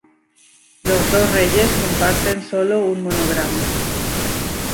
Los dos reyes comparten sólo un monograma.